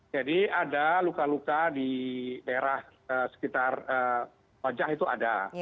jadi ada luka luka di daerah sekitar wajah itu ada